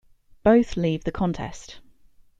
Both leave the contest.